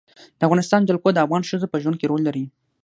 د افغانستان جلکو د افغان ښځو په ژوند کې رول لري.